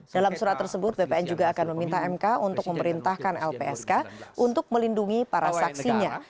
dalam surat tersebut bpn juga akan meminta mk untuk memerintahkan lpsk untuk melindungi para saksinya